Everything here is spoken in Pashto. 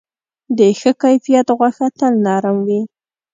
د ښه کیفیت غوښه تل نرم وي.